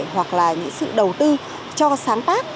hoặc là những sự đầu tư cho sáng tác